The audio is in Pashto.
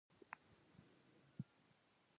غزني د علم او فلسفې مرکز و.